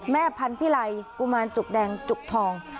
แม่พันธุ์พิรัยกุมารจุกแดงจุกทอง